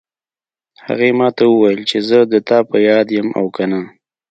هغې ما ته وویل چې زه د تا په یاد یم او که نه